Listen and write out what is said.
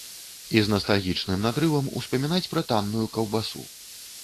І з настальгічным надрывам успамінаць пра танную каўбасу.